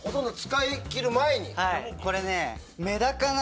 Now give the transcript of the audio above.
これね。